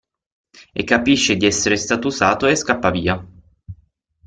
E capisce di essere stato usato e scappa via.